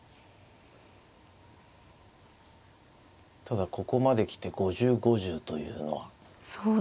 ただここまで来て５０５０というのは。